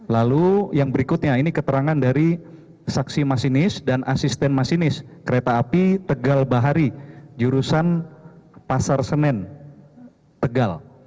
lalu yang berikutnya ini keterangan dari saksi masinis dan asisten masinis kereta api tegal bahari jurusan pasar senen tegal